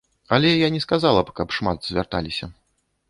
Але я не сказала б, каб шмат звярталіся.